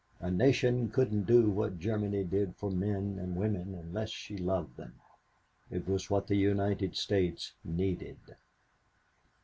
A nation couldn't do what Germany did for men and women unless she loved them. It was what the United States needed.